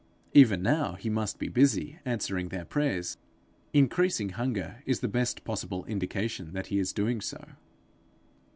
Even now he must be busy answering their prayers; increasing hunger is the best possible indication that he is doing so.